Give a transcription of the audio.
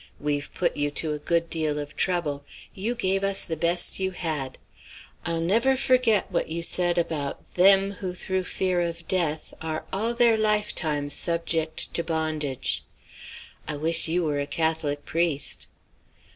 We've put you to a good deal of trouble. You gave us the best you had: I'll never forget what you said about 'them who through fear of death are all their life time subject to bondage.' I wish you were a Catholic priest."